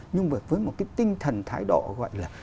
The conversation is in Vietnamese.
nhưng mà với một cái tinh thần thái độ gọi là